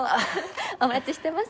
お待ちしてます。